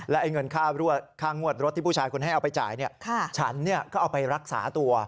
และเงินค่างวดรถที่ผู้ชายคนนี้เอาไปจ่ายฉันก็เอาไปรักษาตัว